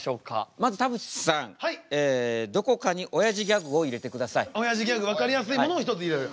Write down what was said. まず田渕さんどこかにおやじギャグ分かりやすいものを１つ入れる。